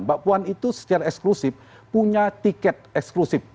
mbak puan itu secara eksklusif punya tiket eksklusif